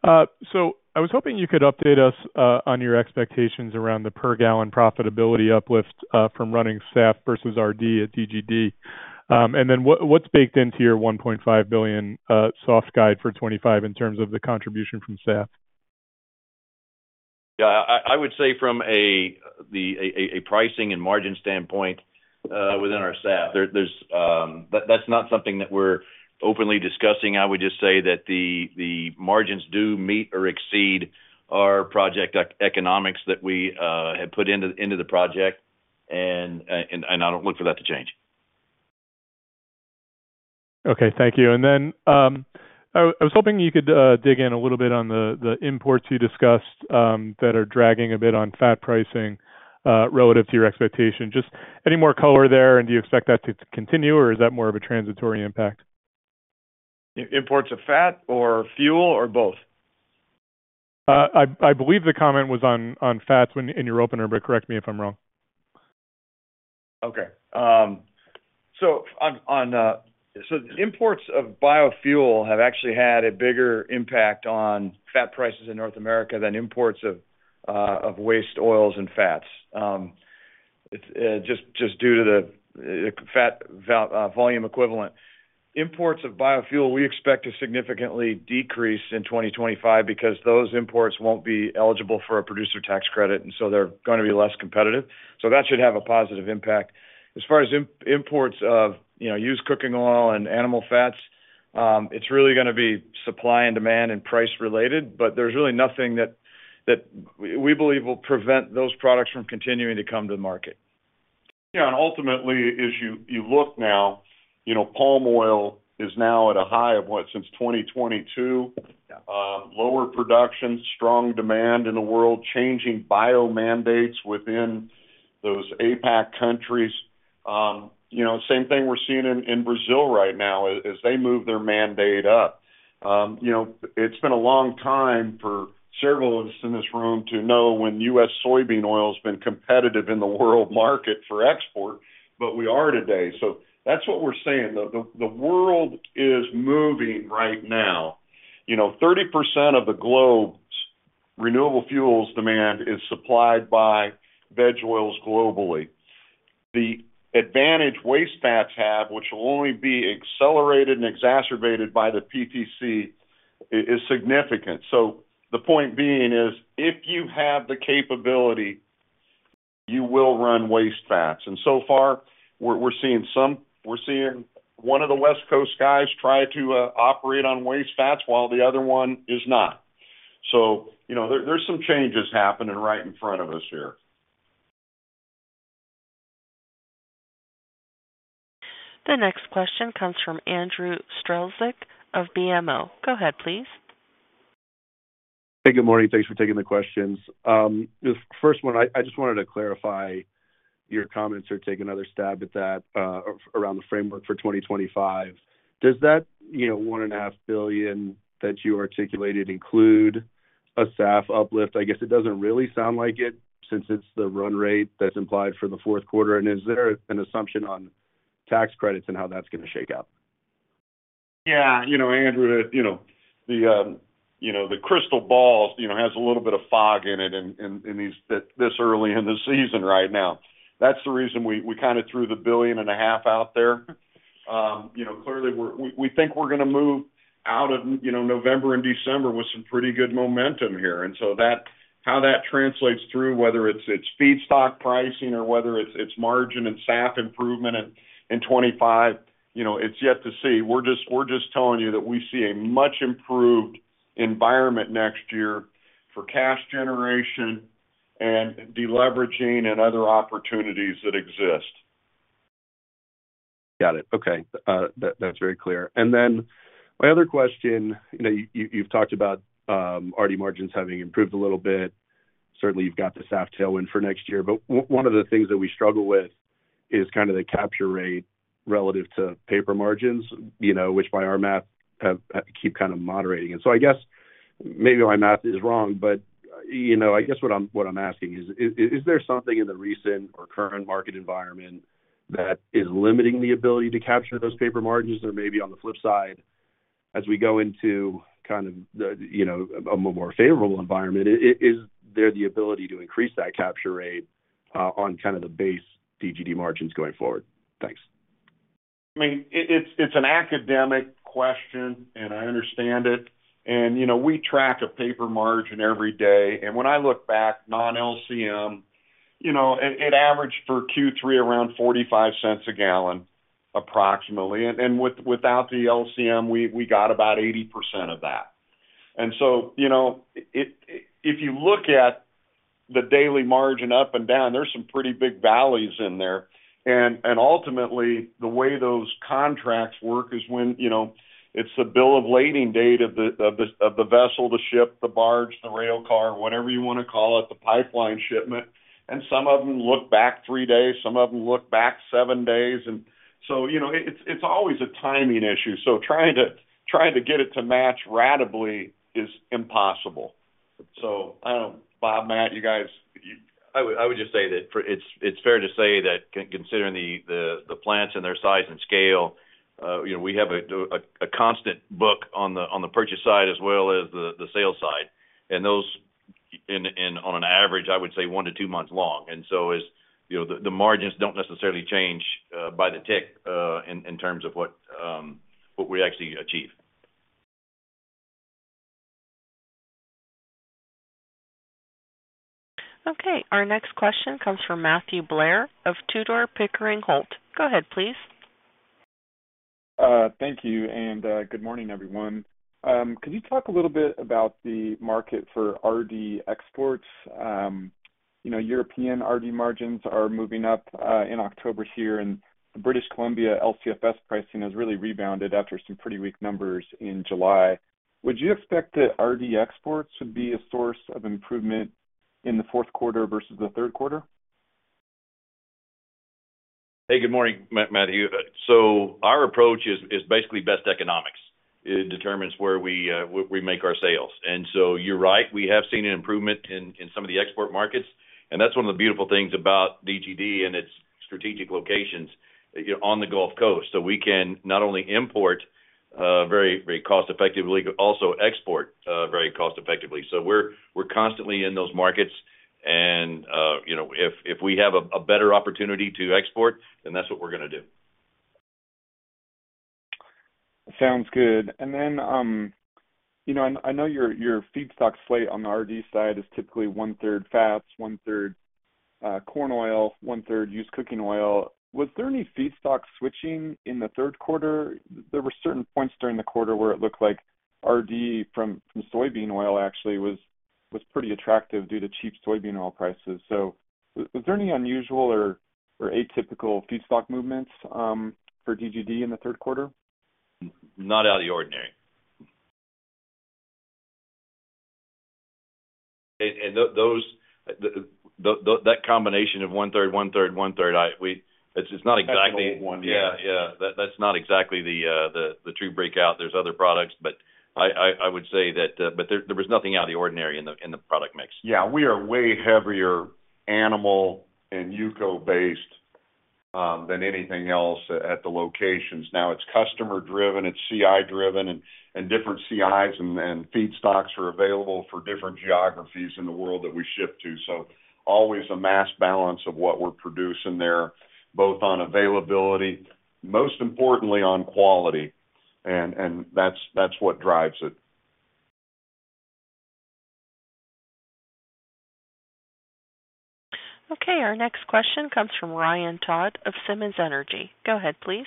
So I was hoping you could update us on your expectations around the per gallon profitability uplift from running SAF vs RD at DGD. And then what, what's baked into your $1.5 billion soft guide for 2025 in terms of the contribution from SAF? Yeah, I would say from a pricing and margin standpoint, within our SAF, that's not something that we're openly discussing. I would just say that the margins do meet or exceed our project economics that we have put into the project, and I don't look for that to change. Okay, thank you. And then, I was hoping you could dig in a little bit on the imports you discussed that are dragging a bit on fat pricing relative to your expectation. Just any more color there, and do you expect that to continue, or is that more of a transitory impact? Imports of fat or fuel or both? I believe the comment was on fats when in your opener, but correct me if I'm wrong. Okay. So imports of biofuel have actually had a bigger impact on fat prices in North America than imports of waste oils and fats. It's just due to the fat volume equivalent. Imports of biofuel, we expect to significantly decrease in 2025 because those imports won't be eligible for a production tax credit, and so they're gonna be less competitive. So that should have a positive impact. As far as imports of, you know, used cooking oil and animal fats, it's really gonna be supply and demand and price related, but there's really nothing that we believe will prevent those products from continuing to come to the market. Yeah, and ultimately, as you look now, you know, palm oil is now at a high of what? Since 2022. Yeah. Lower production, strong demand in the world, changing bio mandates within those APAC countries. You know, same thing we're seeing in, in Brazil right now, as, as they move their mandate up. You know, it's been a long time for several of us in this room to know when U.S. soybean oil has been competitive in the world market for export, but we are today. So that's what we're saying, though. The, the world is moving right now. You know, 30% of the globe's renewable fuels demand is supplied by veg oils globally. The advantage waste fats have, which will only be accelerated and exacerbated by the PTC, is significant. So the point being is, if you have the capability, you will run waste fats, and so far, we're seeing one of the West Coast guys try to operate on waste fats while the other one is not. So, you know, there's some changes happening right in front of us here. The next question comes from Andrew Strelzik of BMO. Go ahead, please. Hey, good morning. Thanks for taking the questions. The first one, I just wanted to clarify your comments or take another stab at that, around the framework for 2025. Does that, you know, $1.5 billion that you articulated include a SAF uplift? I guess it doesn't really sound like it, since it's the run rate that's implied for the fourth quarter. And is there an assumption on tax credits and how that's gonna shake out? Yeah, you know, Andrew, you know, the crystal ball, you know, has a little bit of fog in it in this early in the season right now. That's the reason we kind of threw the $1.5 billion out there. You know, clearly, we think we're gonna move out of, you know, November and December with some pretty good momentum here. And so that how that translates through, whether it's feedstock pricing or whether it's margin and SAF improvement in 2025, you know, it's yet to see. We're just telling you that we see a much improved environment next year for cash generation and deleveraging and other opportunities that exist. Got it. Okay. That, that's very clear. And then my other question, you know, you've talked about RD margins having improved a little bit. Certainly, you've got the SAF tailwind for next year. But one of the things that we struggle with is kind of the capture rate relative to paper margins, you know, which by our math, have kept kind of moderating. And so I guess, maybe my math is wrong, but, you know, I guess what I'm asking is, is there something in the recent or current market environment that is limiting the ability to capture those paper margins? Or maybe on the flip side, as we go into kind of the, you know, a more favorable environment, is there the ability to increase that capture rate on kind of the base DGD margins going forward? Thanks. I mean, it's an academic question, and I understand it. You know, we track a paper margin every day. And when I look back, non-LCM, you know, it averaged for Q3 around $0.45 a gallon, approximately. And without the LCM, we got about 80% of that. And so, you know, if you look at the daily margin up and down, there's some pretty big valleys in there. And ultimately, the way those contracts work is when, you know, it's the bill of lading date of the vessel, the ship, the barge, the rail car, whatever you wanna call it, the pipeline shipment, and some of them look back three days, some of them look back seven days. And so, you know, it's always a timing issue. So trying to get it to match ratably is impossible. So I don't know, Bob, Matt, you guys, you- I would just say that it's fair to say that considering the plants and their size and scale, you know, we have a constant book on the purchase side as well as the sales side. And those on an average, I would say one to two months long. And so as you know, the margins don't necessarily change by the tick in terms of what we actually achieve. Okay. Our next question comes from Matthew Blair of Tudor, Pickering, Holt. Go ahead, please. Thank you, and good morning, everyone. Could you talk a little bit about the market for RD exports? You know, European RD margins are moving up in October here, and the British Columbia LCFS pricing has really rebounded after some pretty weak numbers in July. Would you expect that RD exports would be a source of improvement in the fourth quarter versus the third quarter? Hey, good morning, Matthew. Our approach is basically best economics. It determines where we make our sales. And so you're right, we have seen an improvement in some of the export markets, and that's one of the beautiful things about DGD and its strategic locations, you know, on the Gulf Coast. We can not only import very, very cost effectively, but also export very cost effectively. We're constantly in those markets, and you know, if we have a better opportunity to export, then that's what we're gonna do. Sounds good. And then, you know, and I know your feedstock slate on the RD side is typically one-third fats, one-third corn oil, one-third used cooking oil. Was there any feedstock switching in the third quarter? There were certain points during the quarter where it looked like RD from soybean oil actually was pretty attractive due to cheap soybean oil prices. So was there any unusual or atypical feedstock movements for DGD in the third quarter? Not out of the ordinary. And that combination of one-third, one-third, one-third, it's just not exactly-... one, yeah. Yeah, yeah. That's not exactly the true breakout. There's other products, but I would say that, but there was nothing out of the ordinary in the product mix. Yeah, we are way heavier animal and UCO-based than anything else at the locations. Now, it's customer-driven, it's CI-driven, and different CIs and then feedstocks are available for different geographies in the world that we ship to. So always a mass balance of what we're producing there, both on availability, most importantly, on quality, and that's what drives it. Okay, our next question comes from Ryan Todd of Simmons Energy. Go ahead, please.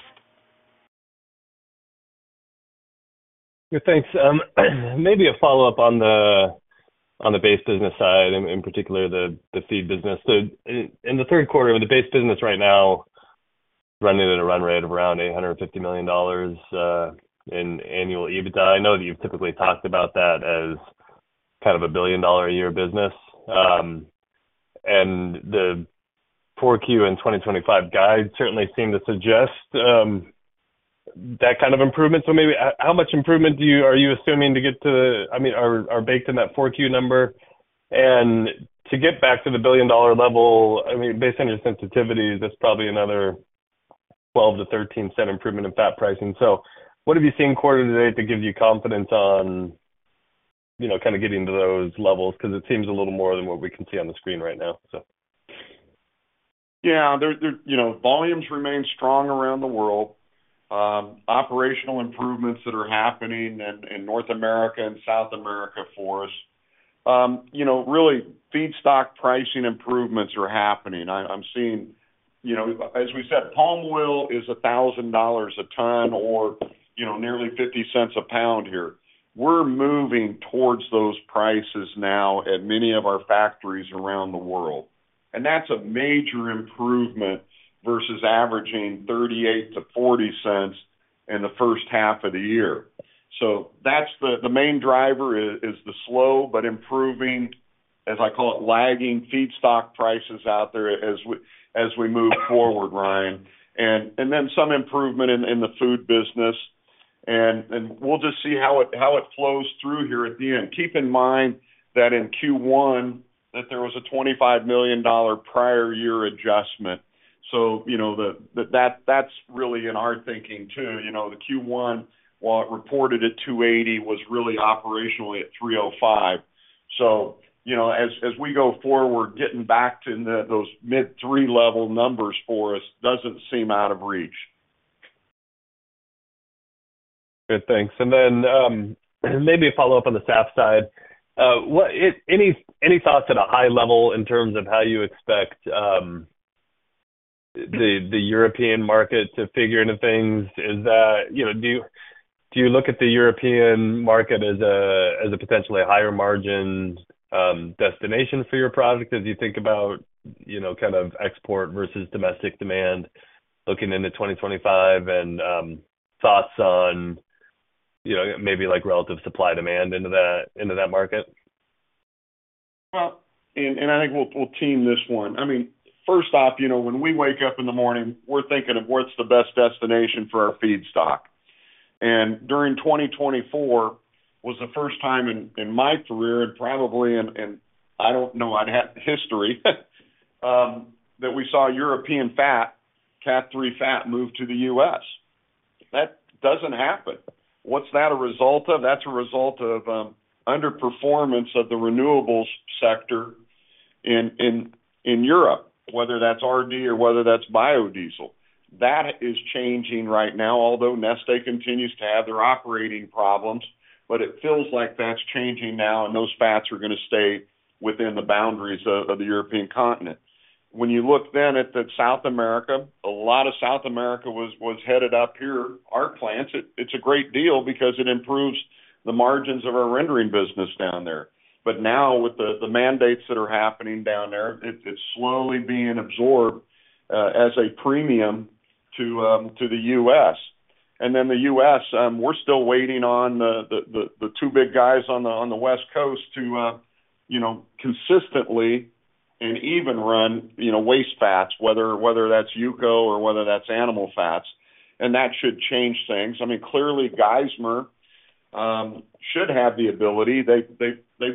Good, thanks. Maybe a follow-up on the base business side, in particular, the feed business. So in the third quarter, with the base business right now running at a run rate of around $850 million in annual EBITDA, I know that you've typically talked about that as kind of a $1 billion a year business. And the 4Q in 2025 guide certainly seem to suggest that kind of improvement. So maybe how much improvement are you assuming to get to the I mean, are baked in that 4Q number? And to get back to the $1 billion level, I mean, based on your sensitivity, that's probably another-... 12- to 13-cent improvement in fat pricing. So what have you seen quarter to date that gives you confidence on, you know, kind of getting to those levels? Because it seems a little more than what we can see on the screen right now, so. Yeah, you know, volumes remain strong around the world. Operational improvements that are happening in North America and South America for us. You know, really, feedstock pricing improvements are happening. I'm seeing, you know, as we said, palm oil is $1,000 a ton or, you know, nearly $0.50 a pound here. We're moving towards those prices now at many of our factories around the world, and that's a major improvement versus averaging $0.38-$0.40 in the first half of the year. So that's the main driver is the slow but improving, as I call it, lagging feedstock prices out there as we move forward, Ryan, and then some improvement in the food business, and we'll just see how it flows through here at the end. Keep in mind that in Q1, that there was a $25 million prior year adjustment. So, you know, the, that's really in our thinking, too. You know, the Q1, while it reported at 280, was really operationally at 305. So, you know, as we go forward, getting back to the, those mid-three level numbers for us doesn't seem out of reach. Good, thanks. And then, maybe a follow-up on the fat side. What, if any, thoughts at a high level in terms of how you expect the European market to figure into things? Is that... You know, do you look at the European market as a potentially higher margin destination for your product as you think about, you know, kind of export versus domestic demand, looking into 2025 and, thoughts on, you know, maybe like relative supply demand into that market? I think we'll team this one. I mean, first off, you know, when we wake up in the morning, we're thinking of what's the best destination for our feedstock. And during 2024, it was the first time in my career, and probably in history, that we saw European fat, category 3 fat, move to the U.S. That doesn't happen. What's that a result of? That's a result of underperformance of the renewables sector in Europe, whether that's RD or whether that's biodiesel. That is changing right now, although Neste continues to have their operating problems, but it feels like that's changing now, and those fats are going to stay within the boundaries of the European continent. When you look then at South America, a lot of South America was headed up here, our plants. It's a great deal because it improves the margins of our rendering business down there. But now with the mandates that are happening down there, it's slowly being absorbed as a premium to the U.S. And then the U.S., we're still waiting on the two big guys on the West Coast to, you know, consistently and even run, you know, waste fats, whether that's UCO or whether that's animal fats, and that should change things. I mean, clearly, Geismar should have the ability. They've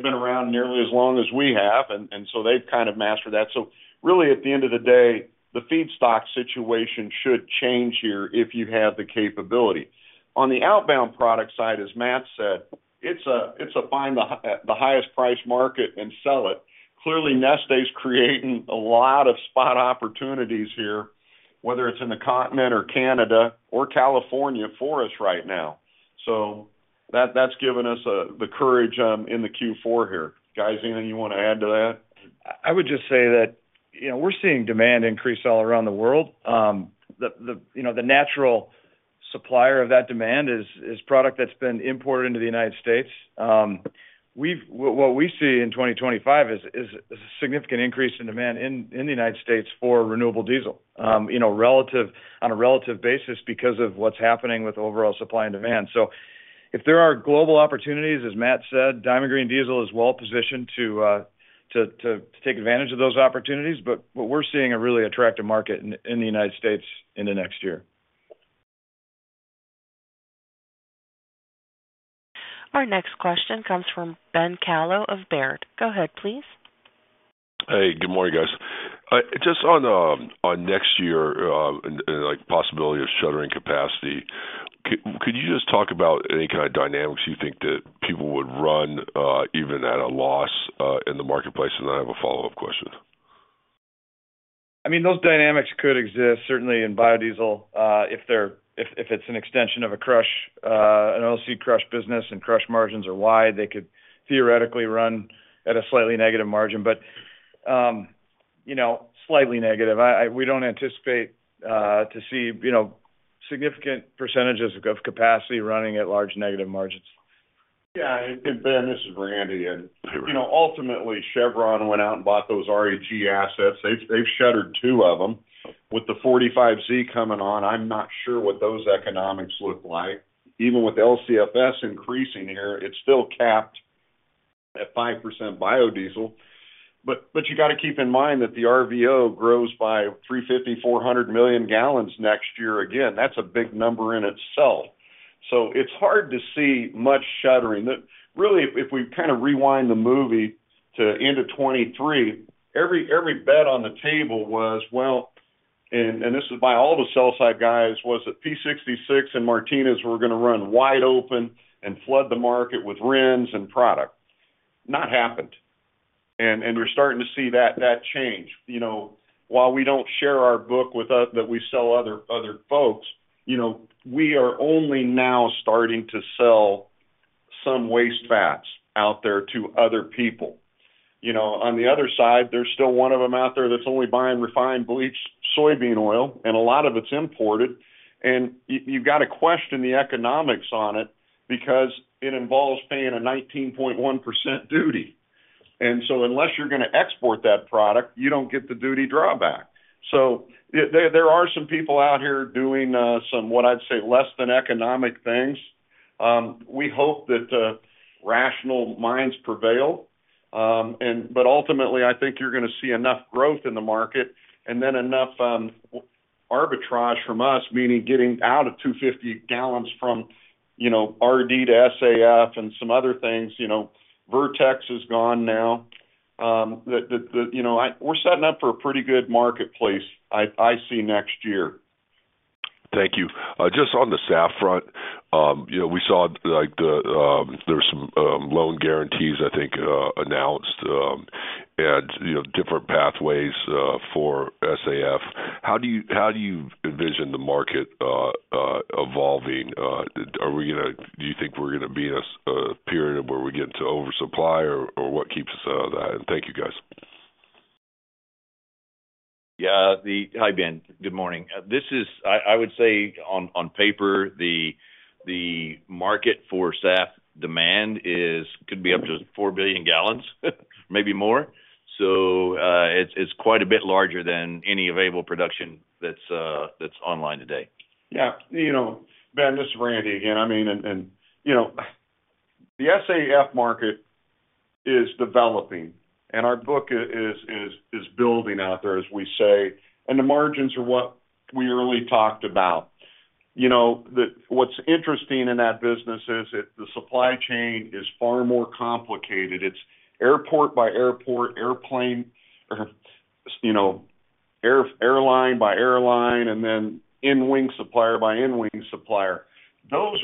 been around nearly as long as we have, and so they've kind of mastered that. So really, at the end of the day, the feedstock situation should change here if you have the capability. On the outbound product side, as Matt said, it's a find the highest price market and sell it. Clearly, Neste's creating a lot of spot opportunities here, whether it's in the continent or Canada or California, for us right now. So that's given us the courage in the Q4 here. Guys, anything you want to add to that? I would just say that, you know, we're seeing demand increase all around the world. The natural supplier of that demand is product that's been imported into the United States. What we see in 2025 is a significant increase in demand in the United States for renewable diesel, you know, on a relative basis because of what's happening with overall supply and demand. So if there are global opportunities, as Matt said, Diamond Green Diesel is well positioned to take advantage of those opportunities. But what we're seeing a really attractive market in the United States in the next year. Our next question comes from Ben Kallo of Baird. Go ahead, please. Hey, good morning, guys. Just on next year, and like possibility of shuttering capacity, could you just talk about any kind of dynamics you think that people would run even at a loss in the marketplace? And then I have a follow-up question. I mean, those dynamics could exist certainly in biodiesel, if it's an extension of a UCO crush business and crush margins are wide, they could theoretically run at a slightly negative margin. But, you know, slightly negative. We don't anticipate to see, you know, significant percentages of capacity running at large negative margins. Yeah, and Ben, this is Randy, and- Hey, Randy. You know, ultimately, Chevron went out and bought those REG assets. They've shuttered two of them. With the 45Z coming on, I'm not sure what those economics look like. Even with LCFS increasing here, it's still capped at 5% biodiesel. But you got to keep in mind that the RVO grows by 350-400 million gallons next year. Again, that's a big number in itself.... So it's hard to see much shuttering. Really, if we kind of rewind the movie to end of 2023, every bet on the table was, well, and this is by all the sell-side guys, was that Phillips 66 and Martinez were gonna run wide open and flood the market with RINs and product. Not happened. And we're starting to see that change. You know, while we don't share our book with us, that we sell other folks, you know, we are only now starting to sell some waste fats out there to other people. You know, on the other side, there's still one of them out there that's only buying refined, bleached soybean oil, and a lot of it's imported. And you've got to question the economics on it because it involves paying a 19.1% duty. And so unless you're gonna export that product, you don't get the duty drawback. So there are some people out here doing some, what I'd say, less than economic things. We hope that rational minds prevail. But ultimately, I think you're gonna see enough growth in the market and then enough arbitrage from us, meaning getting out of two fifty gallons from, you know, RD to SAF and some other things. You know, Vertex is gone now. You know, we're setting up for a pretty good marketplace. I see next year. Thank you. Just on the SAF front, you know, we saw, like, there's some loan guarantees, I think, announced, and, you know, different pathways for SAF. How do you, how do you envision the market evolving? Are we gonna do you think we're gonna be in a period of where we get into oversupply, or what keeps us out of that? Thank you, guys. Hi, Ben. Good morning. I would say on paper, the market for SAF demand could be up to four billion gallons, maybe more. So, it's quite a bit larger than any available production that's online today. Yeah, you know, Ben, this is Randy again. I mean, and, and, you know, the SAF market is developing, and our book is building out there, as we say, and the margins are what we earlier talked about. You know, what's interesting in that business is, the supply chain is far more complicated. It's airport by airport, airplane, you know, airline by airline, and then in-wing supplier by in-wing supplier. Those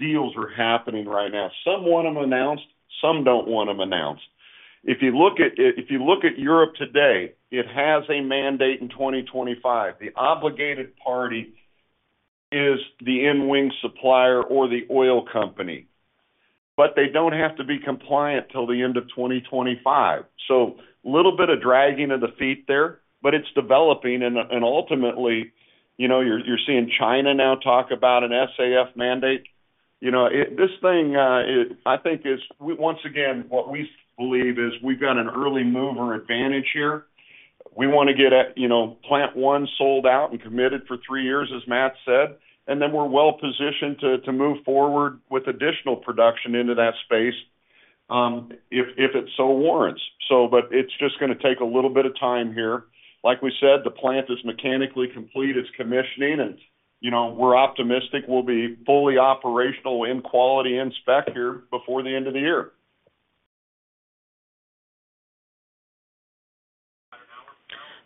deals are happening right now. Some want them announced, some don't want them announced. If you look at Europe today, it has a mandate in 2025. The obligated party is the in-wing supplier or the oil company, but they don't have to be compliant till the end of 2025. So a little bit of dragging of the feet there, but it's developing, and ultimately, you know, you're seeing China now talk about an SAF mandate. You know, this thing, I think, is once again what we believe is we've got an early mover advantage here. We wanna get, you know, plant one sold out and committed for three years, as Matt said, and then we're well positioned to move forward with additional production into that space, if it so warrants. So but it's just gonna take a little bit of time here. Like we said, the plant is mechanically complete, it's commissioning and, you know, we're optimistic we'll be fully operational in quality inspection here before the end of the year.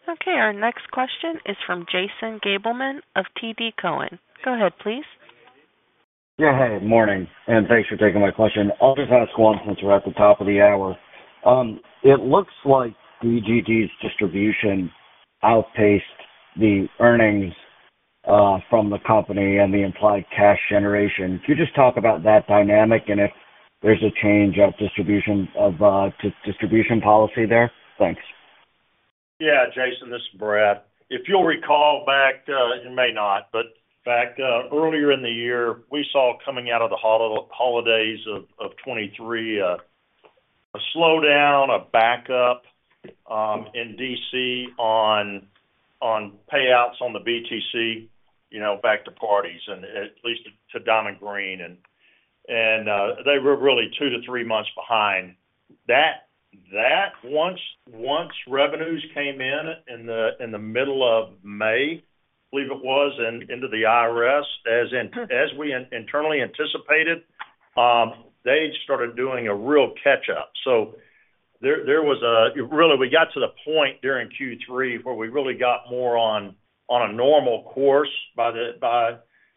Okay, our next question is from Jason Gabelman of TD Cowen. Go ahead, please. Yeah, hey, morning, and thanks for taking my question. I'll just ask one since we're at the top of the hour. It looks like DGD's distribution outpaced the earnings from the company and the implied cash generation. Could you just talk about that dynamic and if there's a change of distribution policy there? Thanks. Yeah, Jason, this is Brad. If you'll recall back, you may not, but back earlier in the year, we saw coming out of the holidays of 2023, a slowdown, a backup, in DC on payouts on the BTC, you know, back to parties and at least to Diamond Green. And they were really two to three months behind. That once revenues came in in the middle of May, I believe it was, and into the IRS, as we internally anticipated, they started doing a real catch-up. So there was a really. We got to the point during Q3 where we really got more on a normal course by,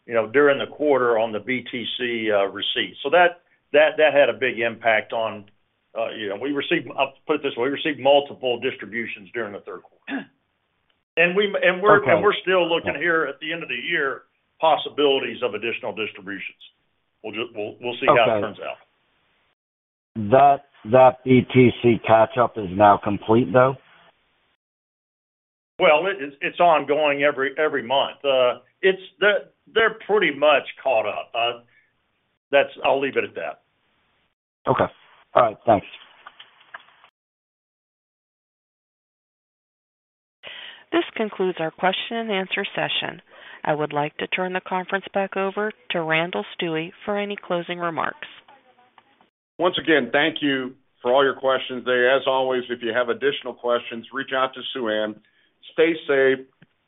you know, during the quarter on the BTC receipt. So that had a big impact on, you know, I'll put it this way, we received multiple distributions during the third quarter. Okay. We're still looking here at the end of the year possibilities of additional distributions. We'll just see how it turns out. That BTC catch-up is now complete, though? It is. It's ongoing every month. They're pretty much caught up. I'll leave it at that. Okay. All right, thanks. This concludes our question and answer session. I would like to turn the conference back over to Randall Stuewe for any closing remarks. Once again, thank you for all your questions today. As always, if you have additional questions, reach out to Sueann. Stay safe,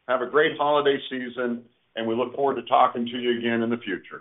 have a great holiday season, and we look forward to talking to you again in the future.